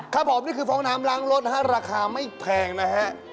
ครับผมนี่คือฟองน้ำล้างรถนะฮะราคาไม่แพงนะฮะ